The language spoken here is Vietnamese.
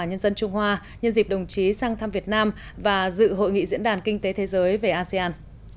nhân dân trung hoa nhân dịp đồng chí sang thăm việt nam và dự hội nghị diễn đàn kinh tế thế giới về asean